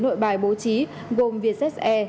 nội bài bố trí gồm vietjet e